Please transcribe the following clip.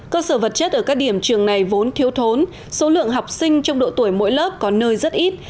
cơ sở vật chất ở các điểm trường này vốn thiếu thốn số lượng học sinh trong độ tuổi mỗi lớp có nơi rất ít